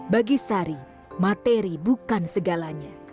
bagi sari materi bukan segalanya